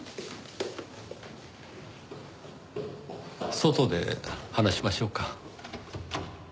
外で話しましょうか。